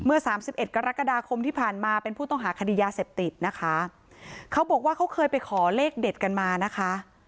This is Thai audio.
สามสิบเอ็ดกรกฎาคมที่ผ่านมาเป็นผู้ต้องหาคดียาเสพติดนะคะเขาบอกว่าเขาเคยไปขอเลขเด็ดกันมานะคะ